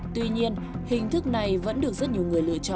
tuy nhiên hình thức này vẫn được rất nhiều người lựa chọn